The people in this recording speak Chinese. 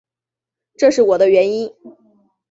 这是我的原因